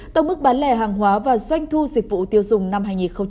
tổng mức bán lẻ hàng hóa và doanh thu dịch vụ tiêu dùng năm hai nghìn một mươi tám